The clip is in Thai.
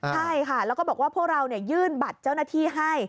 ใช่ค่ะแล้วก็บอกว่าพวกเรายื่นบัตรเจ้าหน้าที่ให้